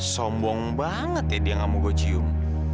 sombong banget ya dia gak mau gue cium